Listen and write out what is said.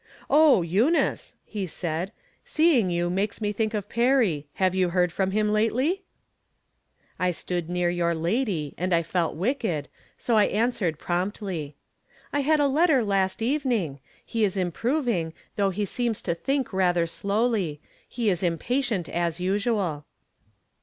" Oh, Eunice !" he said, " seeing you makes me think ,of Perry. Have you heard from him lately ?" I stood near your lady, and I felt wicked, so I answered, promptly :'• I had a letter last evening ; he is improving, though he seems to think rather slowly. He is impatient, as usual."